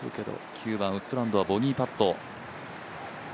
９番ウッドランドはボギーパット。